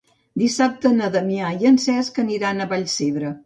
Dissabte na Damià i en Cesc aniran a Vallcebre.